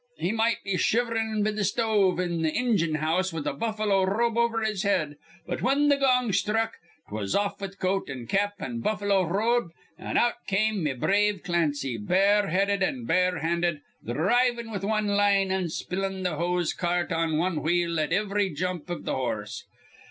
He might be shiv'rin' be th' stove in th' ingine house with a buffalo robe over his head; but, whin th' gong sthruck, 'twas off with coat an' cap an' buffalo robe, an' out come me brave Clancy, bare headed an' bare hand, dhrivin' with wan line an' spillin' th' hose cart on wan wheel at ivry jump iv th' horse.